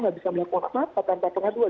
nggak bisa melakukan apa apa tanpa pengaduan